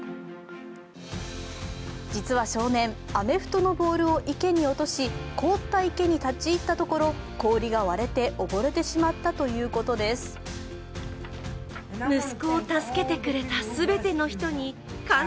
実は少年、アメフトのボールを池に落とし凍った池に立ち入ったところ氷が割れて溺れてしまったということです。